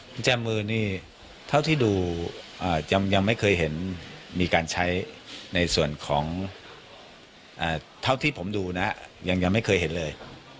กุญแจมือนี่เท่าที่ดูยังไม่เคยเห็นมีการใช้ในส่วนของเท่าที่ผมดูนะยังไม่เคยเห็นเลย